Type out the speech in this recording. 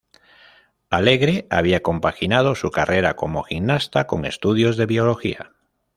Alegre había compaginado su carrera como gimnasta con estudios de Biología.